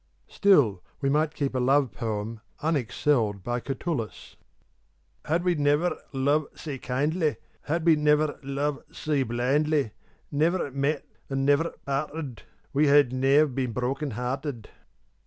Still we might keep a love poem unexcelled by Catullus, Had we never loved sae kindly, Had we never loved sae blindly, Never met or never parted, We had ne'er been broken hearted.